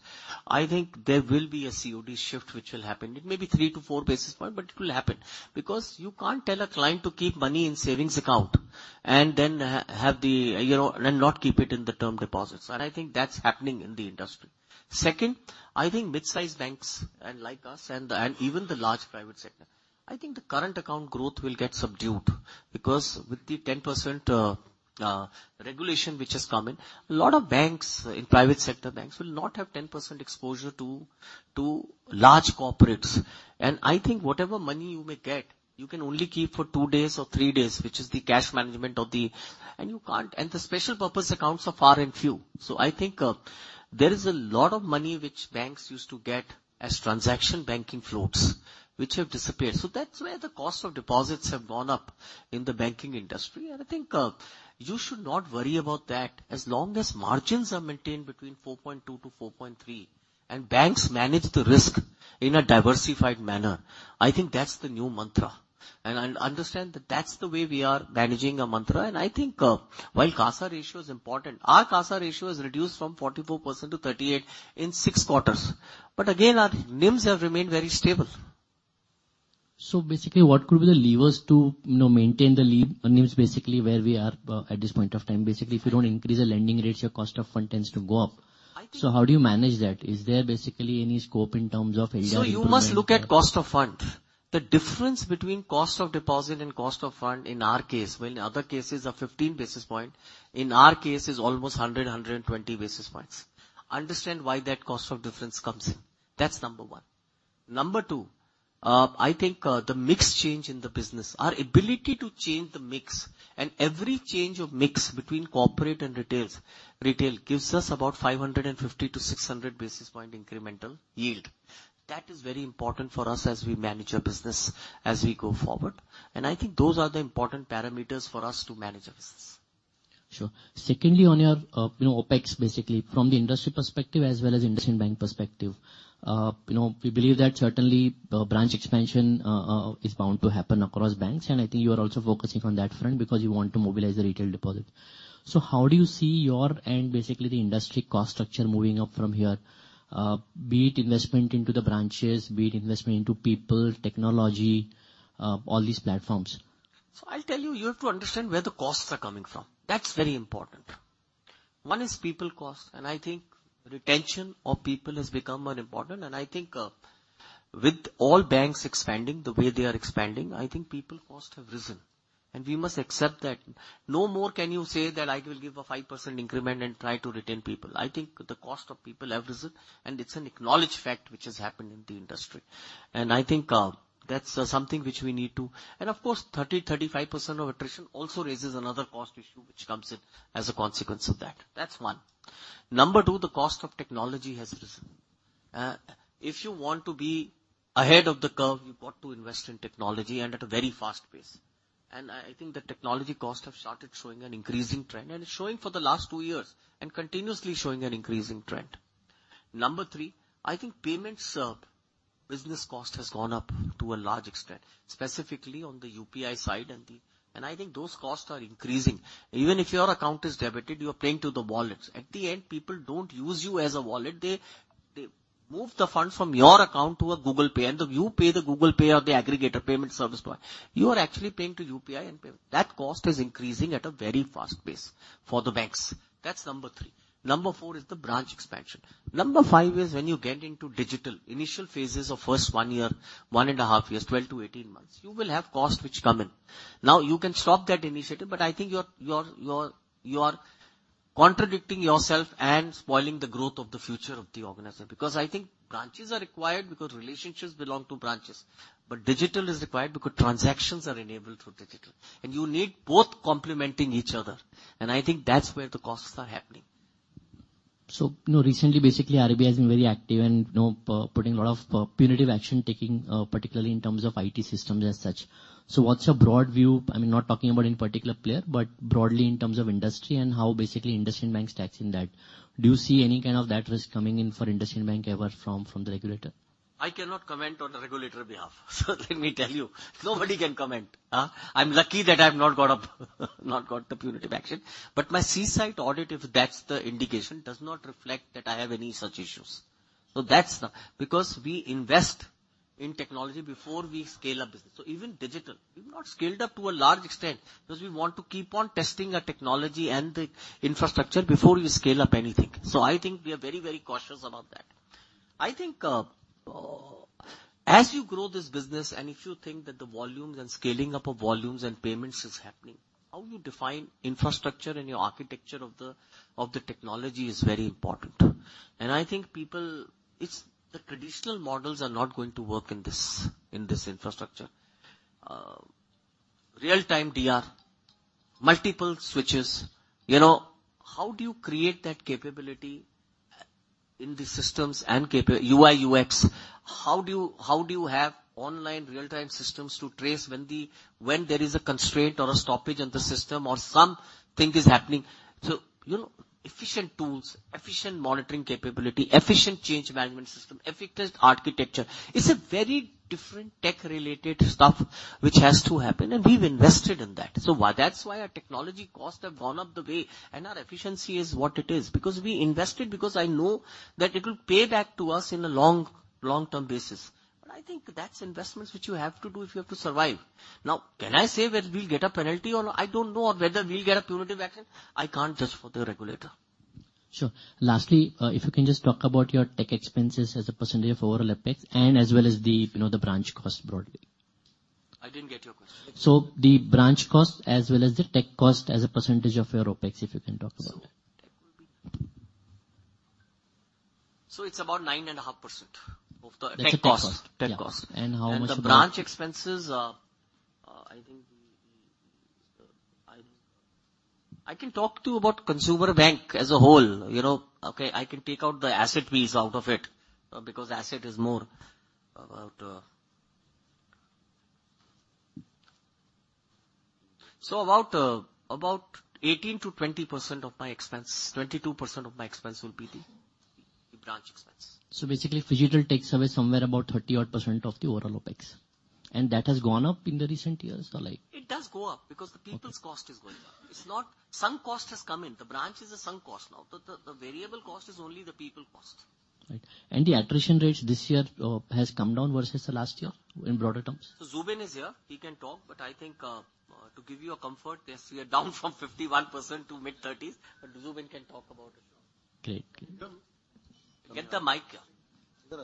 I think there will be a COD shift which will happen. It may be three to four basis points but it will happen because you can't tell a client to keep money in savings account and then have the, you know and not keep it in the term deposits. And I think that's happening in the industry. Second, I think midsize banks like us and even the large private sector, I think the current account growth will get subdued because with the 10% regulation which has come in, a lot of banks in private sector banks will not have 10% exposure to large corporates. I think whatever money you may get, you can only keep for two days or three days, which is the cash management of the. And you can't, and the special purpose accounts are far and few. So I think, there is a lot of money which banks used to get as transaction banking floats which have disappeared. So that's where the cost of deposits have gone up in the banking industry. And I think, you should not worry about that as long as margins are maintained between 4.2 to 4.3 and banks manage the risk in a diversified manner. I think that's the new mantra. And I understand that that's the way we are managing our mantra. And I think, while CASA ratio is important, our CASA ratio has reduced from 44% to 38% in six quarters. But again, our NIMs have remained very stable. So basically, what could be the levers to, you know, maintain the NIMs basically where we are, at this point of time? Basically, if you don't increase the lending rates, your cost of funds tends to go up. I think. So how do you manage that? Is there basically any scope in terms of LDR? So you must look at cost of fund. The difference between cost of deposit and cost of fund in our case, well, in other cases, is 15 basis points. In our case, it's almost 100 to 120 basis points. Understand why that cost of difference comes in. That's number one. Number two, I think, the mix change in the business, our ability to change the mix and every change of mix between corporate and retail gives us about 550 to 600 basis points incremental yield. That is very important for us as we manage our business as we go forward. And I think those are the important parameters for us to manage our business. Sure. Secondly, on your, you know, OpEx basically, from the industry perspective as well as industry and bank perspective, you know, we believe that certainly, branch expansion, is bound to happen across banks. I think you are also focusing on that front because you want to mobilize the retail deposit. How do you see your and basically the industry cost structure moving up from here, be it investment into the branches, be it investment into people, technology, all these platforms? So I'll tell you, you have to understand where the costs are coming from. That's very important. One is people cost. And I think retention of people has become more important. And I think, with all banks expanding, the way they are expanding, I think people cost have risen. And we must accept that. No more can you say that I will give a 5% increment and try to retain people. I think the cost of people have risen and it's an acknowledged fact which has happened in the industry. And I think, that's, something which we need to and of course, 30%-35% of attrition also raises another cost issue which comes in as a consequence of that. That's one. Number two, the cost of technology has risen. If you want to be ahead of the curve, you've got to invest in technology and at a very fast pace. I, I think the technology costs have started showing an increasing trend and it's showing for the last two years and continuously showing an increasing trend. Number three, I think payments, business cost has gone up to a large extent, specifically on the UPI side and the and I think those costs are increasing. Even if your account is debited, you're paying to the wallets. At the end, people don't use you as a wallet. They, they move the funds from your account to a Google Pay and then you pay the Google Pay or the aggregator payment service provider. You are actually paying to UPI and payment. That cost is increasing at a very fast pace for the banks. That's number three. Number four is the branch expansion. Number five is when you get into digital, initial phases of first one year, 1.5 years, 12 to 18 months, you will have costs which come in. Now, you can stop that initiative but I think you're contradicting yourself and spoiling the growth of the future of the organization because I think branches are required because relationships belong to branches. But digital is required because transactions are enabled through digital. And you need both complementing each other. And I think that's where the costs are happening. So, you know, recently, basically, RBI has been very active and, you know, putting a lot of punitive action taking, particularly in terms of IT systems as such. So what's your broad view? I mean, not talking about any particular player but broadly in terms of industry and how basically industry and banks tackle that. Do you see any kind of that risk coming in for industry and bank ever from the regulator? I cannot comment on the regulator's behalf. So let me tell you, nobody can comment. I'm lucky that I've not got the punitive action. But my onsite audit, if that's the indication, does not reflect that I have any such issues. So that's because we invest in technology before we scale up business. So even digital, we've not scaled up to a large extent because we want to keep on testing our technology and the infrastructure before we scale up anything. So I think we are very, very cautious about that. I think, as you grow this business and if you think that the volumes and scaling up of volumes and payments is happening, how you define infrastructure and your architecture of the technology is very important. I think people, it's the traditional models are not going to work in this in this infrastructure. Real-time DR, multiple switches, you know, how do you create that capability in the systems and capable UI/UX? How do you how do you have online real-time systems to trace when the when there is a constraint or a stoppage on the system or something is happening? So, you know, efficient tools, efficient monitoring capability, efficient change management system, efficient architecture, it's a very different tech-related stuff which has to happen and we've invested in that. So why that's why our technology costs have gone up the way and our efficiency is what it is because we invested because I know that it will pay back to us in a long, long-term basis. But I think that's investments which you have to do if you have to survive. Now, can I say whether we'll get a penalty or no? I don't know or whether we'll get a punitive action. I can't judge for the regulator. Sure. Lastly, if you can just talk about your tech expenses as a percentage of overall OPEX and as well as the, you know, the branch cost broadly? I didn't get your question. The branch cost as well as the tech cost as a percentage of your OPEX, if you can talk about it? So tech will be so it's about 9.5% of the tech cost. Tech cost. Tech cost. And how much of. The branch expenses, I think, I can talk about consumer bank as a whole. You know, okay, I can take out the asset piece out of it, because asset is more. So about 18% to 20% of my expense, 22% of my expense will be the branch expense. Basically, physical techs have somewhere about 30-odd% of the overall OpEx. That has gone up in the recent years or like? It does go up because the people's cost is going up. It's not some cost has come in. The variable cost is only the people cost. Right. The attrition rates this year, has come down versus the last year in broader terms? Zubin is here. He can talk. I think, to give you a comfort, yes, we are down from 51% to mid-30s. Zubin can talk about it. Great. Great. Get the mic here.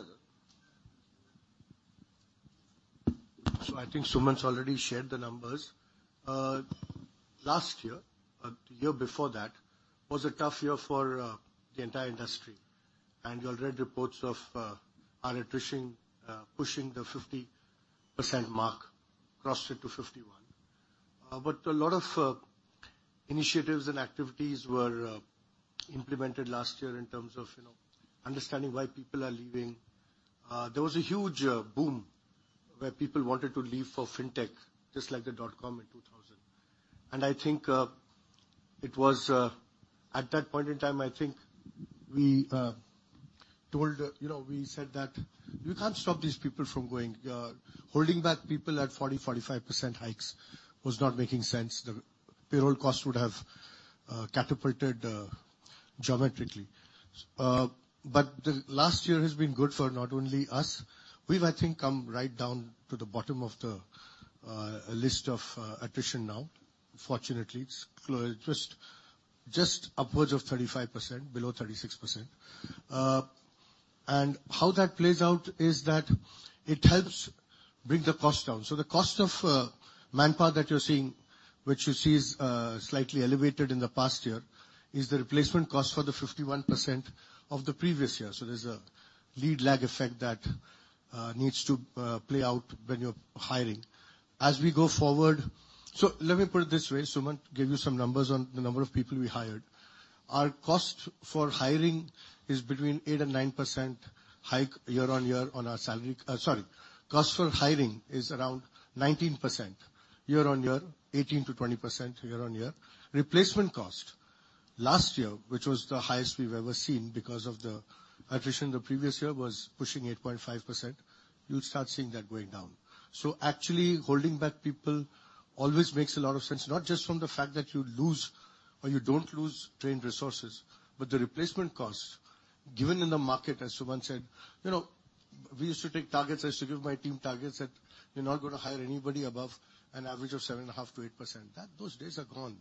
So I think Sumant already shared the numbers. Last year, the year before that, was a tough year for the entire industry. And you already had reports of our attrition pushing the 50% mark, crossed it to 51%. But a lot of initiatives and activities were implemented last year in terms of you know understanding why people are leaving. There was a huge boom where people wanted to leave for fintech just like the dot-com in 2000. And I think it was at that point in time, I think we told you know we said that you can't stop these people from going. Holding back people at 40% to 45% hikes was not making sense. The payroll cost would have catapulted geometrically. But the last year has been good for not only us. We've I think come right down to the bottom of the list of attrition now, fortunately. It's close, just, just upwards of 35%, below 36%. And how that plays out is that it helps bring the cost down. So the cost of manpower that you're seeing, which you see is slightly elevated in the past year, is the replacement cost for the 51% of the previous year. So there's a lead-lag effect that needs to play out when you're hiring. As we go forward, so let me put it this way, Sumant, give you some numbers on the number of people we hired. Our cost for hiring is between 8% to 9% hike year-on-year on our salary, sorry. Cost for hiring is around 19% year-on-year, 18% to 20% year-on-year. Replacement cost last year, which was the highest we've ever seen because of the attrition the previous year, was pushing 8.5%. You'll start seeing that going down. So actually, holding back people always makes a lot of sense, not just from the fact that you lose or you don't lose trained resources, but the replacement cost, given in the market, as Sumant said, you know, we used to take targets. I used to give my team targets that you're not going to hire anybody above an average of 7.5% to 8%. Those days are gone.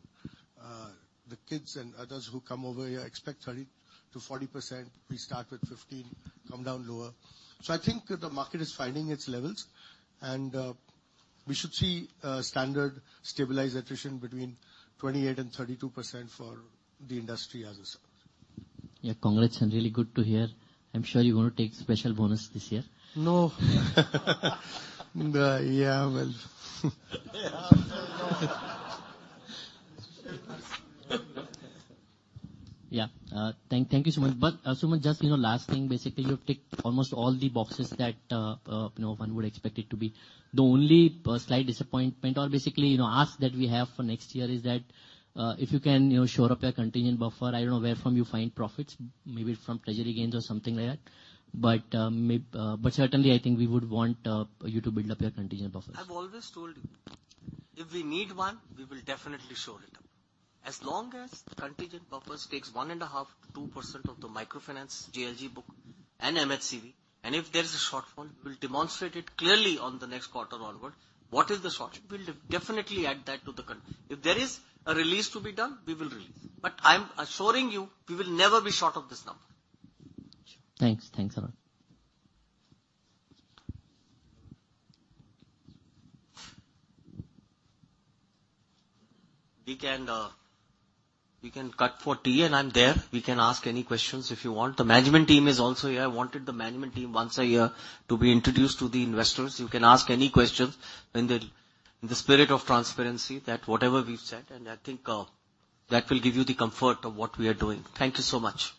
The kids and others who come over here expect 30% to 40%. We start with 15, come down lower. So I think the market is finding its levels. And we should see standard, stabilized attrition between 28% to 32% for the industry as such. Yeah. Congrats. Really good to hear. I'm sure you're going to take special bonus this year. No. The yeah. Well. Yeah. Thank you, Sumant. But, Sumant, just, you know, last thing, basically, you have ticked almost all the boxes that, you know, one would expect it to be. The only slight disappointment or basically, you know, ask that we have for next year is that, if you can, you know, shore up your contingent buffer, I don't know where from you find profits, maybe from treasury gains or something like that. But, maybe, but certainly, I think we would want you to build up your contingent buffers. I've always told you, if we need one, we will definitely shore it up as long as the contingent buffers takes 1.5% to 2% of the microfinance, JLG book, and MHCV. And if there's a shortfall, we will demonstrate it clearly on the next quarter onward. What is the shortfall? We'll definitely add that to the contingent if there is a release to be done, we will release. But I'm assuring you, we will never be short of this number. Sure. Thanks. Thanks, Arun. We can, we can cut for tea and I'm there. We can ask any questions if you want. The management team is also here. I wanted the management team once a year to be introduced to the investors. You can ask any questions in the in the spirit of transparency that whatever we've said. And I think that will give you the comfort of what we are doing. Thank you so much.